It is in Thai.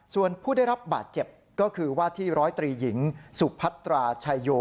ส่วนผู้ได้รับบาดเจ็บก็คือว่าที่ร้อยตรีหญิงสุพัตราชัยโย